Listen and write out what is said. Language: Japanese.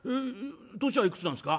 年はいくつなんすか？」。